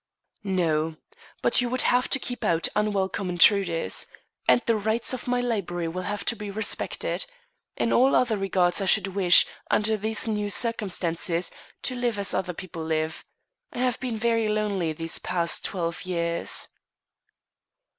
"No. But you would have to keep out unwelcome intruders. And the rights of my library will have to be respected. In all other regards I should wish, under these new circumstances, to live as other people live. I have been very lonely these past twelve years."